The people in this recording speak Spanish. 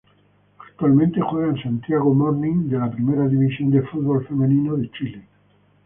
Actualmente juega en Santiago Morning de la Primera División de fútbol femenino de Chile.